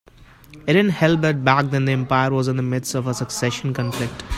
It didn't help that back then the empire was in the midst of a succession conflict.